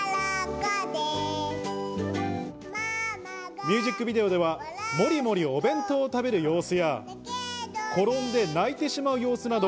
ミュージックビデオでは、もりもりお弁当を食べる様子や、転んで泣いてしまう様子など、